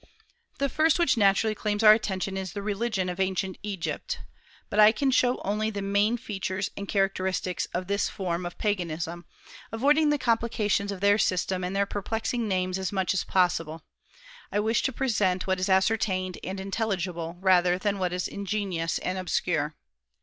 The first which naturally claims our attention is the religion of ancient Egypt. But I can show only the main features and characteristics of this form of paganism, avoiding the complications of their system and their perplexing names as much as possible. I wish to present what is ascertained and intelligible rather than what is ingenious and obscure.